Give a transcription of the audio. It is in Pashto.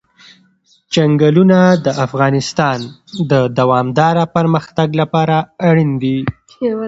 چنګلونه د افغانستان د دوامداره پرمختګ لپاره اړین دي.